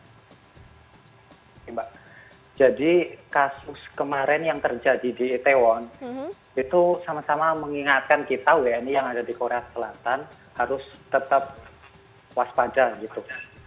oke mbak jadi kasus kemarin yang terjadi di itaewon itu sama sama mengingatkan kita wni yang ada di korea selatan harus tetap waspada gitu